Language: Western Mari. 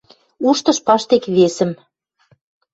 Уштыш паштек весӹм